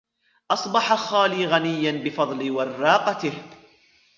أصبح خالي غنيا بفضل وراقته.